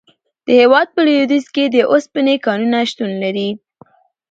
د هیواد په لویدیځ کې د اوسپنې کانونه شتون لري.